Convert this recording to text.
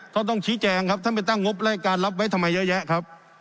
ต้องชี้แจงครับท่านไปตั้งงบรายการรับไว้ทำไมเยอะแยะครับ